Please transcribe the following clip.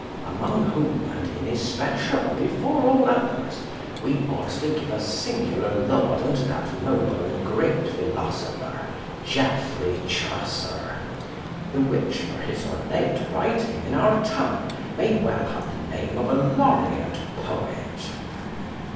Among whom and in especial before all others, we ought to give a singular laud unto that noble and great philosopher Geoffrey Chaucer, the which for his ornate writing in our tongue may well have the name of a laureate poet.